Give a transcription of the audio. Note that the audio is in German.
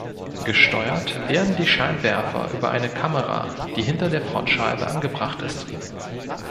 Gesteuert werden die Scheinwerfer über eine Kamera, die hinter der Frontscheibe angebracht ist.